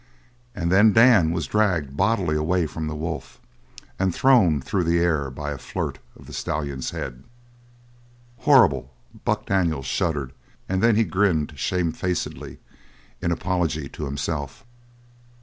and then Dan was dragged bodily away from the wolf and thrown through the air by a flirt of the stallion's head. Horrible! Buck Daniels shuddered and then he grinned shamefacedly in apology to himself.